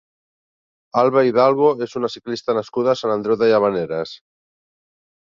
Alba Hidalgo és una ciclista nascuda a Sant Andreu de Llavaneres.